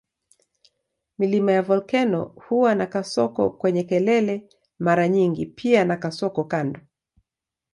Milima ya volkeno huwa na kasoko kwenye kelele mara nyingi pia na kasoko kando.